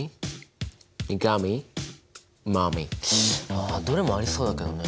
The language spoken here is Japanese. ああどれもありそうだけどね。